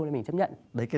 thì mình chấp nhận